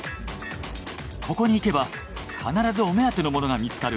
ここに行けば必ずお目当てのものが見つかる